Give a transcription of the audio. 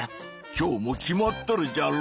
今日もキマっとるじゃろ？